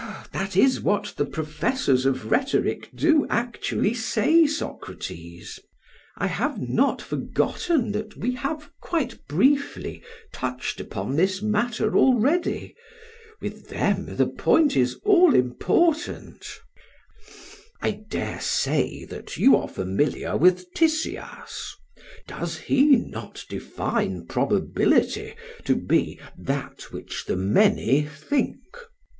PHAEDRUS: That is what the professors of rhetoric do actually say, Socrates. I have not forgotten that we have quite briefly touched upon this matter already; with them the point is all important. SOCRATES: I dare say that you are familiar with Tisias. Does he not define probability to be that which the many think?